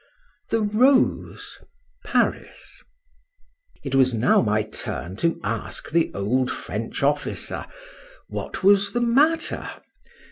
THE ROSE. PARIS. IT was now my turn to ask the old French officer "What was the matter?"